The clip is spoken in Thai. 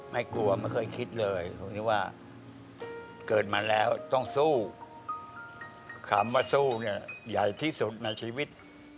ไม่กลัวไม่เคยคิดเลยตรงที่ว่าเกิดมาแล้วต้องสู้คำว่าสู้เนี่ยใหญ่ที่สุดในชีวิต